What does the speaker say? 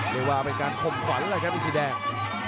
เรียกว่าเป็นการคมขวัญเลยครับอินสีแดง